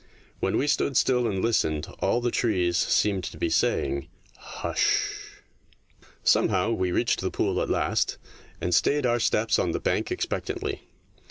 When we stood still and listened all the trees seemed to be saying " Hush !" Somehow we reached the pool at last, and stayed our steps on the bank expectantly.